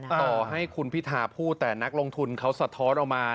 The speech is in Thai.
ต่อให้คุณพิธาพูดแต่นักลงทุนเขาสะท้อนออกมา